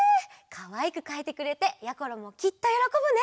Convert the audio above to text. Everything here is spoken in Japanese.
かわいくかいてくれてやころもきっとよろこぶね！